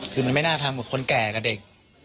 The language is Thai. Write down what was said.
คือมันไม่น่าทำกับคนแก่กับเด็ก